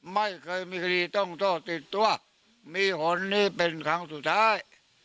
ไม่เคยมีคดีต้องโทษติดตัวมีผลนี้เป็นครั้งสุดท้าย